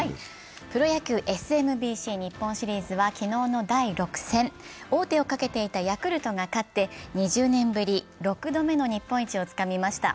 プロ野球ＳＭＢＣ日本シリーズは昨日の第６戦、王手をかけていたヤクルトが勝って２０年ぶり６度目の日本一をつかみました。